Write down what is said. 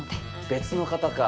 別の方か。